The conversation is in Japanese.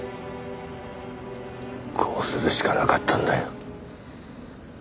こうするしかなかったんだよ。